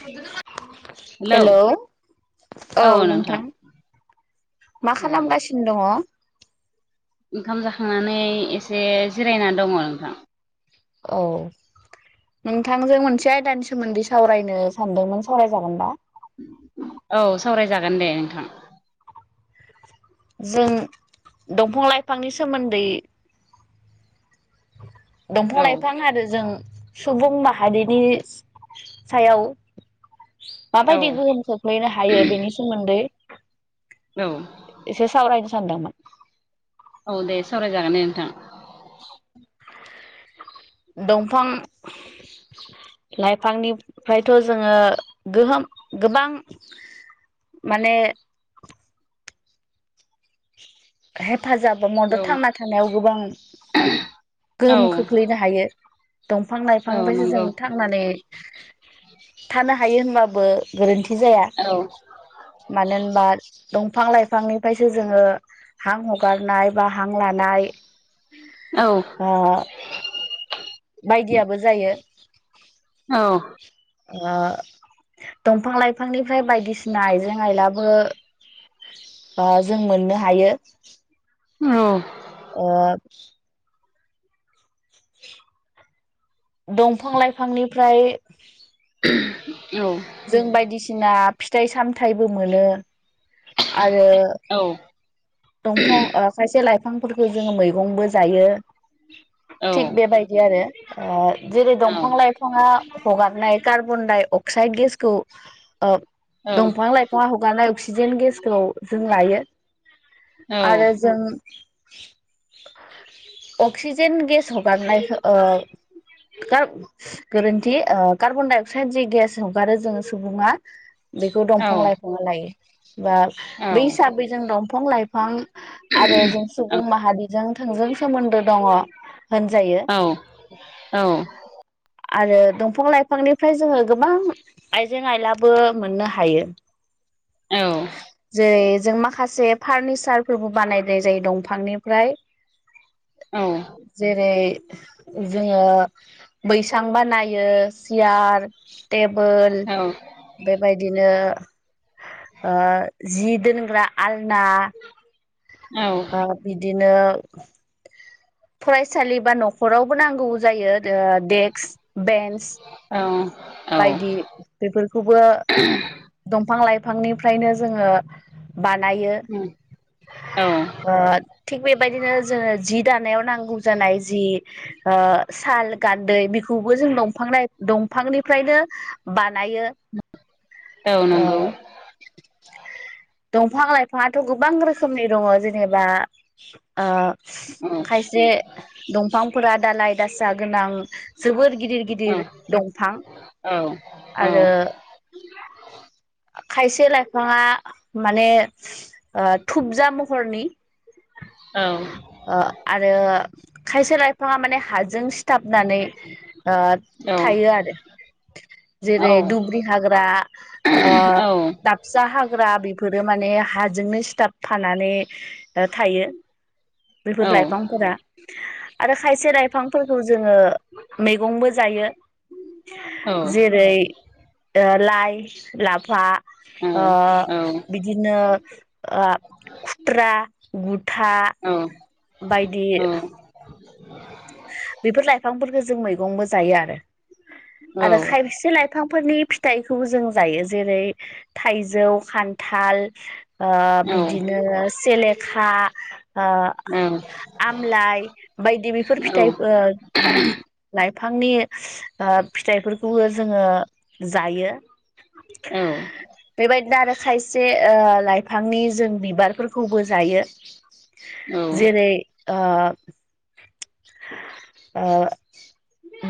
[unintelligible] Hello hello औ नोंथां मा औ खालामगासिन खिन‌ दङ। ओंखाम जाखांनानै एसे जिरायना दङ नोंथां। औ नोंथां जों मोनसे आयदानि सोमोन्दै सावरायनो सानदोंमोन सावराय जागोन ना? औ सावराय जागोन दे नोंथां। जों दंफां लाइफांनि सोमोन्दै दंफां औ लाइफां आरो जों सुबुं माहारिनि सायाव औ माबायदि गोहोम खोख्लैनो हायो बेनि सोमोन्दै औ। एसे सावरायनो सानदोंमोन। औ दे सावरायजागोन दे नोंथां। [inaudible] दंफां लाइफांनिफ्रायथ' जोंङो गोहोम गोबां माने हेफाजाब मदद औ थांना थानायाव गोबां औ गोहोम खोख्लैनो हायो। औ दंफां-लाइफांनिफ्रायसो नंगौ जों थांनानै थानो हायो होनबाबो गोरोन्थि जाया। औ मानो होनबा दंफां लाइफांनिफायसो जोङो हां हगारनाय बा हां लानाय औ ओ बायदियाबो जायो। औ ओ दंफां लाइफांनिफ्राय बायदिसिना आइजें आइलाबो ओ जों मोननो हायो। औ ओ दंफां-लाइफांनिफ्राय औ जों बायदिसिना फिथाइ सामथाइबो मोनो आरो औ दंफं ओ खायसे लाइफांफोरखो जोङो मैगंबो जायो। थिग बेबायदि आरो ओ जेरै दंफां लाइ फांआ हगारनाय कार्बन दाइ अक्साइ गेखौ ओ औ दंफां लाइफां फुंङा हगारनाय अक्सिजेन गेसखौ जों लायो। औ औ आरो जों अक्सिजेन गेस हगारनायखौ ओ कार्ब गोरोन्थि ओ कार्बन डाइ अक्साइद जि गेस हगारो जोंङो सुबुंङा। बेखौ औ दंफां लइफांङा लायो बा बै हिसाबै जों दं बिफां-लाइफां आरो जों सुबुं माहारिजों थोंजों सोमोन्दो दंङ। होनजायो औ आरो दंफं लाइफांनिफ्राय जोङो गोबां आइजें आयलाबो मोननो हायो। जेरै जों माखासे फारनिचारफोरबो बानायनाय जायो दंफांनिफ्राय। औ जेरै जोङो बैसां बानायो सियार टेबोल बेबायदिनो ओ जि दोनग्रा आलना औ। ओ बिदिनो फरायसालि बा नखरावबो नांगौबो जायो दो देक्स बेन्स ओ बायदि बेफोरखौबो दंफां लाइफांनिफ्रायनो जोङो बानायो औ औ ओद थिग बेबायदिनो जोङो जि दानायाव नांगौ जानाय जि ओ साल गान्दै बेखौबो जों दंफां लाय दं बिफांनिफ्रायनो बानायो औ ओ नंगौ दंफां लाइफांङाथ' गोबां रोखोमनि दंङ जेनेबा ओ औ खायसे दंफांफोरा दालाय दासा गोनां जोबोर गिदिर औ गिदिर दं थां औ औ आरो खायसे लायफांङा माने ओ थुबजा महरनि औ ओ आरो खायसे लाइफाङा माने हाजों सिथाबनानै ओ थायो आरो। जेरै दुब्रि हाग्रा ओ टाब जा हाग्रा बेफोरो माने हाजोंनो सिथाब फानानै ओ थायो। बेफोर लाइफांफोरा आरो खायसे लायफांफोरखौ जोंङो मैगंबो जायो। औ जेरै ओ लाइ, लाफा ओ बिद दिनो ओ खुथ्रा, बुथा औ औ बेफोर लाइफांफोरखो जों मैगंबो जायो आरो आरो खायसे लाइ फांफोरनि फिथाइखौबो जों जायो जेरै थाइजौ खान्थाल ओ बिदिनो सेलेखा ओ आमलाइ बायदि बेफोर फिथाइ ओ बि लाइफांनि ओ फिथाइफोरखौबो जोङो जायो। औ बेबायदिनो आरो खायसे ओ लाइफांनि जों बिबारफोरखौबो जायो। जेरै ओ ओ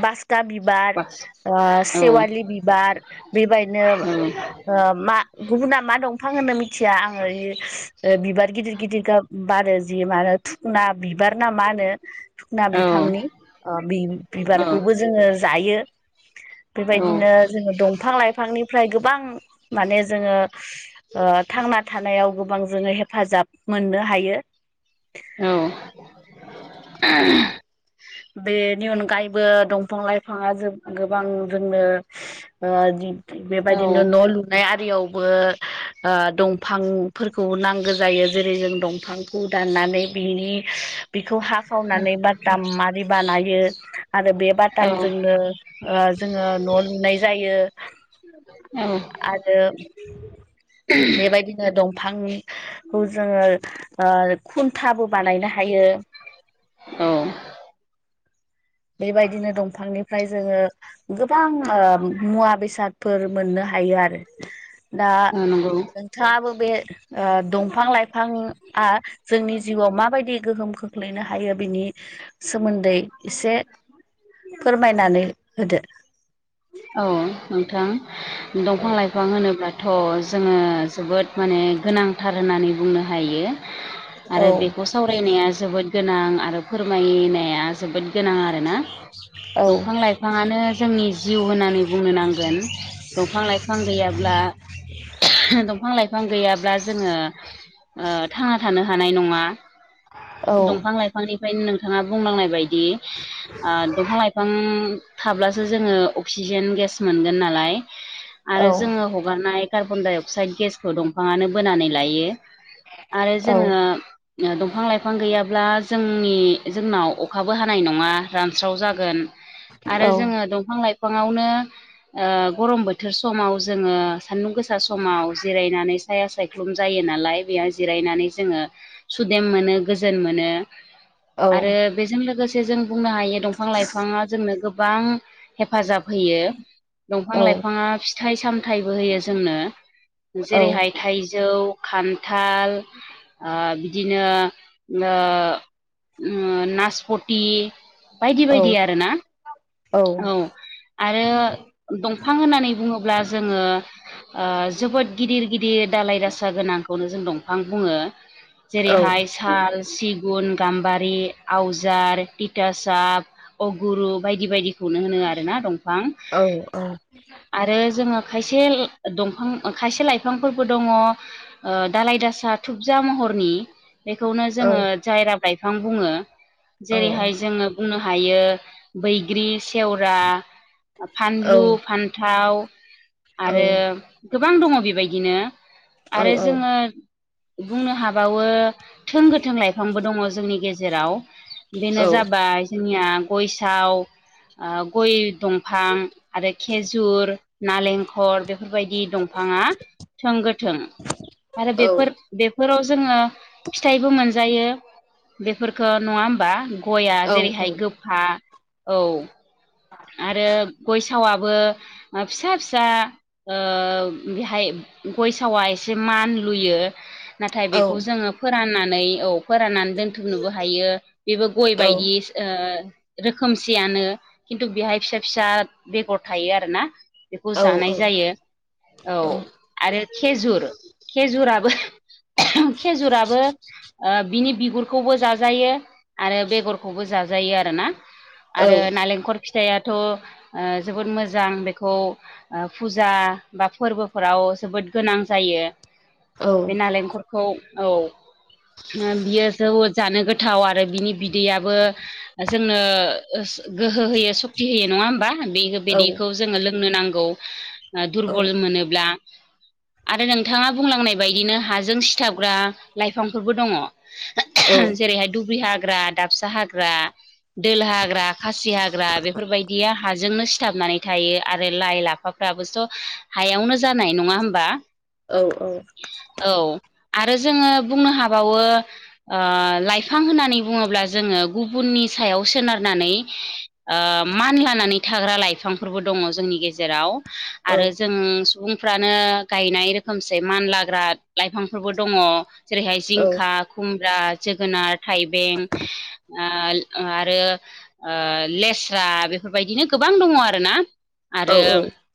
बास का बिबार बास ओ औ सेवालि बिबार बिबायनो औ ओ मा गुबुना मा दंफां होनो मिथिया आङो [unintelligible] ओ बिबार गिदिर गिदिर गाब बारो जि मा होनो थुखना बिबार ना मा होनो? थुखना औ बिफांनि ओ औ बि-बिबारखौबो जोङो जायो। बेबायदिनो जोङो दंफां लाइफांनिफ्राय गोबां माने जोङो ओ थांना थानायाव गोबां जोङो हेफाजाब मोननो हायो। औ। [inaudible] बेनि अनगायैबो दंफां लाइफाङा जो गोबां जोंनो ओ [unintelligible] औ बेबादिनो न' लुनाय आरियावबो ओ दंफां फोरखौ नांगो जायो जेरै जों दंफांखौ दाननानै बिनि बिखौ हा खावनानै बाताम मारै बानायो आरो बे बातामजोंनो ओ जोङो न' लुनाय जायो। उम आरो बेबायदिनो दंफांनि खौ जोङो ओ खुन्थाबो बानायनो हायो। औ बेबायदिनो दंफांनिफ्राय जोङो गोबां ओ मुवा बेसादफोर मोननो हायो आरो। दा औ नंगौ नोंथाङाबो बे ओ दंफां लाइफांआ जोंनि जिउआव माबायदि गोहोम खोख्लैनो हायो बिनि सोमोन्दै एसे फोरमायनानै होदो। औ नोंथां औ दंफां लाइफां होनोब्ला थ' जोङो जोबोद माने गोनांथार होननानै बुंनो हायो। आरो औ बेखौ सावरायनाया जोबोद गोनां आरो फोरमायनाया जोबोद गोनां आरोना। औ दंफां लाइफाङानो जोंनि जिउ होनानै बुंनो नांगोन दंफां लाइफां गैयाब्ला दंफां लाइफां गैयाब्ला जोङो ओ थांना थानो हानाय नङा दंफां लाइफांनिफ्रायनो नोंथाङा बुंलांनाय बाय दि दंफां लाइफां थाब्लासो जोङो अक्सिजेन गेस मोनगोन नालाय औ आरो जोङो हगारनाय कार्बन डाइ अक्साइड गेसखौ दंफाङानो बोनानै लायो आरो औ जोङो दंफां लाइफां गैयाब्ला जोंनि जोंनाव अखाबो हानाय नङा रानस्राव जागोन आरो औ जोङो दंफां लाइफाङावनो ओ गरम बोथोर समाव जोङो सान्दुं गोसा समाव जिरायनानै साया सायख्लुम जायो नालाय बेयाव जिरायनानै जोङो सुदेम मोनो गोजोन मोनो आरो औ बेजों लोगोसे जों बुंनो हायो दंफां लाइफाङा जोंनो गोबां हेफाजाब होयो दंफां औ लाइफाङा फिथाइ सामथायबो होयो जोंनो जेरैहाय थाइजौ, खान्थाल ओ बिदिनो ओ ओ नासपटि बायदि औ बायदि आरो ना। औ आरो दंफां होननानै बुङोब्ला जोङो ओ जोबोद गिदिर गिदिर दालाय दासा गोनांखौनो जों दंफां बुङो। जेरैहाय साल, सिगुन, गाम्बारि, आवजार तिथटासाब, अगुरु बायदि बायदिखौनो होनो आरो ना दंफां। औ औ आरो जोङो खायसे दंफां खायसे लाइफांफोरबो दङ। ओ दालाय दासा थुबजा महरनि बेखौनो जोङो जायराब लाइफां बुङो जेरैहाय जोङो बुंनो हायो बैग्रि सेवरा फानलु, औ फानथाव आरो गोबां दङ बेबायदिनो आरो जोङो बुंनो हाबावो थों गोथों लाइफांबो दङ जोंनि गेजेराव औ बेनो जाबाय जोंनिया गयसाव गय दंफां आरो खेजुर नालेंखर बेफोरबायदि दंफाङा थों गोथों आरो बेफोर बेफोराव जोङो फिथाइबो मोनजायो बेफोरखो नङा ओमबा? गया जेरैहाय गोफा औ। आरो गयसाव आबो फिसा फिसा ओ बेहाय गयसावआ एसे मान लुयो। नाथाय बेखौ जोङो फोराननानै औ फोराननानै दोनथुमनोबो हायो बेबो गय बायदि ओ रोखोमसेयानो खिन्टु बेहा फिसा फिसा बेगर थायो आरोना। बेखौ जानाय जायो औ आरो खेजुर खेजुराबो खेजुराबो ओ बिनि बिगुरखौबो जाजायो आरो बेगरखौबो जाजायो आरोना आरो नालेंखर फिथाइ आथ' ओ जोबोद मोजां बेखौ ओ फुजा बा फोरबोफोराव जोबोद गोनां जायो बे नालेंखर खौ औ ओ बियो जोबोद जानो गोथाव आरो बिनि बिदैयाबो जोंनो गोहो होयो। सक्ति होयो नङा होमबा बेबायदिखौ जोङो लोंनो नांगौ। दुरबल मोनोब्ला आरो नोंथाङा बुंलांनाय बायदिनो हाजों सिथाबग्रा लाइफांफोरबो दङ। जेरैहाय दुब्रि हाग्रा, दाबसा हाग्रा, दोल हाग्रा, खासि हा ग्रा बेफोर बायदिया हाजोंनो सिथाबनानै थायो आरो लाइ लाफाफ्राबोथ' हायावनो जानाय नङा होमबा? औ औ औ आरो जोङो बुंनो हाबावो ओ‌लाइफां होननानै बुङोब्ला जोङो गुबुननि सायाव सोनारनानै मान लानानै थाग्रा लाइफांफोरबो दङ जोंनि गेजेराव आरो जों सुबुं फ्रानो गायनाय रोखोमसे मानलाग्रा लाइफांफोरबो दङ जेरैहाय जिंखा खुमब्रा जोगोनार थाइबें ओ आरो ओ लेस्रा बेफोरबायदिनो गोबां दङ आरोना आरो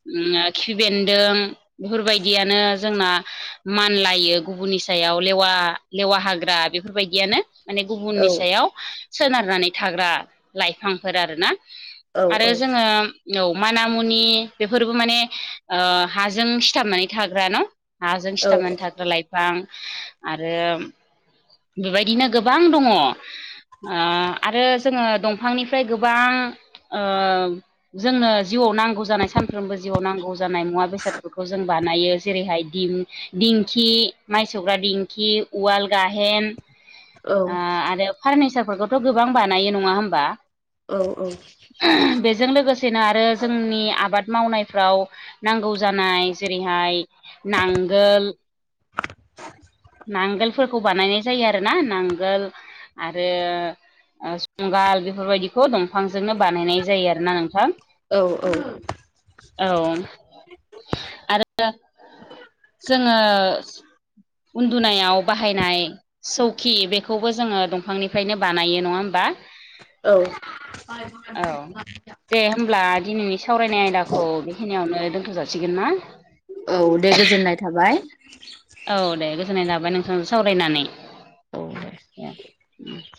खिफि बेन्दों बेफोरबायदियानो जोंना मान लायो गुबुननि सायाव लेवा लेवा हाग्रा बेफोरबायदियानो माने गुबुननि सायाव सोनारनानै थाग्रा लाइफांफोर आरोना आरो जोङो औ माना मुनि बेफोरबो माने हाजों सिथाबनानै थाग्र न' हाजों सिथामनानै थाग्रा लाइफां आरो बेबायदिनो गोबां दङ ओ आरो जोङो दंफांनि फ्राय गोबां ओ जोंनो जिउआव नांगौ जानाय सानफ्रोमबो जिउआव नांगौ जानाय मुवा बेसादफोरखौ जों बानायो जेरैहाय दिम दिंखि माइसौग्रा दिंखि उवाल गाहेन औ ओ आरो फार्निचारफोरखौथ' गोबां बानायो नङा होमबा औ औ बेजों लोगोसेनो आरो जोंनि आबाद मावनायफ्राव नांगौ जानाय जेरैहाय नांगोल, नांगोलफोरखौ बानायनाय जायो आरोना। नांगोल आरो जुंगाल बेफोरबायदिखौ दंफांजोंनो बानायनाय जायो आरोना नोंथां। औ औ औ आरो जो- ङो उन्दुनायाव बाहायनाय सौखि बेखौबो जोङो दंफांनिफ्रायनो बानायो नङा होमबा औ औ दे होमब्ला दिनैनि सावरायनाय आयदाखौ बेखिनियावनो दोनथ' जासिगोन ना? औ दे गोजोननाय थाबाय। औ दे गोजोननाय थाबाय नोंथांजों सावरायनानै [inaudible] [inaudible]